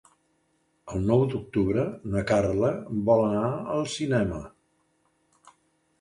El nou d'octubre na Carla vol anar al cinema.